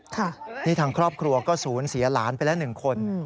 ที่ทางครอบครัวก็ศูนย์เสียหลานไปละ๑คน